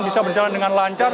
bisa berjalan dengan lancar